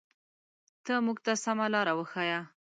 ته مونږ ته سمه لاره وښایه.